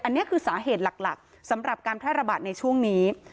อันนี้คือสาเหตุหลักสำหรับการแพร่ระบาดในช่วงนี้